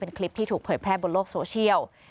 เป็นคลิปที่ถูกเผยแพร่บนโลกโซเชียล